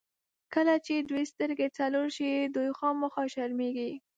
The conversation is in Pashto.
کله چې دوه سترګې څلور شي، دوې خامخا شرمېږي.